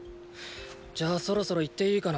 じゃあそろそろ行っていいかな。